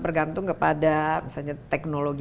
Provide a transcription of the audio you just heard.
bergantung kepada misalnya teknologi